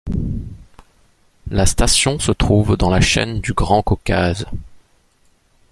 La station se trouve dans la chaîne du Grand Caucase.